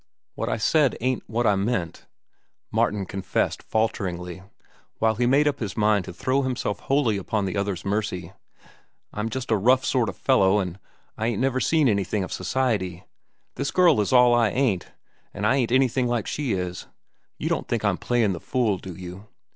"What I said ain't what I meant," Martin confessed falteringly, while he made up his mind to throw himself wholly upon the other's mercy. "I'm just a rough sort of a fellow, an' I ain't never seen anything of society. This girl is all that I ain't, an' I ain't anything that she is. You don't think I'm playin' the fool, do you?"